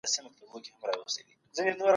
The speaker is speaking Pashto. کله چې روغ یاست وینه ورکړئ.